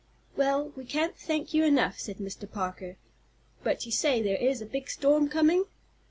"Well, we can't thank you enough," said Mr. Parker. "But you say there is a big storm coming?"